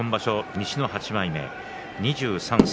西の８枚目２３歳。